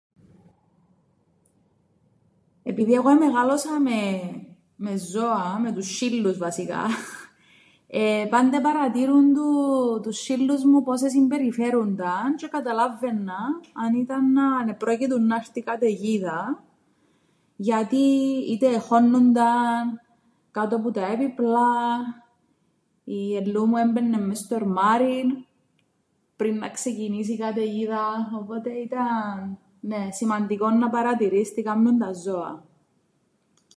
Επειδή εγώ εμεγάλωσα με ζώα, με τους σ̆σ̆ύλλους βασικά, πάντα επαρατήρουν τους σ̆σ̆ύλλους μου πώς εσυμπεριφέρουνταν, τζ̆αι εκαταλάββαιννα αν ήταν να- αν επρόκειτουν να έρτει καταιγίδα, γιατί είτε εχώννουνταν κάτω που τα έπιπλα. Η Ελλού μου έμπαιννεν μες στο ερμάριν πριν να ξεκινήσει καταιγίδα. Οπότε ήταν, νναι, σημαντικόν να παρατηρείς τι κάμνουν τα ζώα.